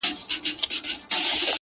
سپیني سپوږمۍ حال راته وایه-